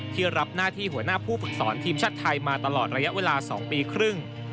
ที่รับหน้าที่หัวหน้าผู้ฝึกสอนทีมชาติไทยมาตลอดระยะเวลา๒ปีครึ่ง